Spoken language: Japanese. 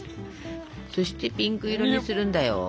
そしてピンク色にするんだよ。